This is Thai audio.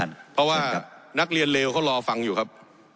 นักเรียนเลวเขารอฟังอยู่ครับ